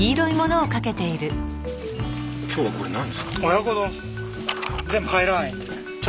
今日はこれ何ですか？